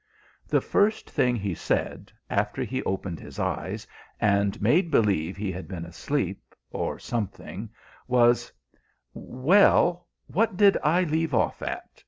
The first thing he said, after he opened his eyes, and made believe he had been asleep, or something, was, "Well, what did I leave off at?"